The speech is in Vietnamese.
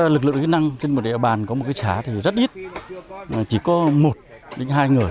lực lượng kỹ năng trên một địa bàn có một xã thì rất ít chỉ có một đến hai người